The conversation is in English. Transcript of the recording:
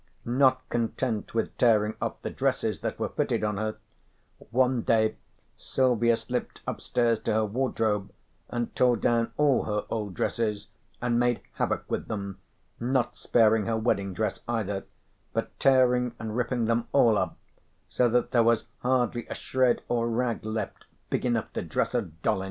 Not content with tearing off the dresses that were fitted on her, one day Silvia slipped upstairs to her wardrobe and tore down all her old dresses and made havoc with them, not sparing her wedding dress either, but tearing and ripping them all up so that there was hardly a shred or rag left big enough to dress a doll in.